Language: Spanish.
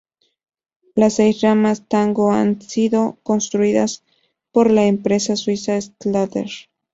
Las seis ramas Tango han sido construidas por la empresa suiza Stadler.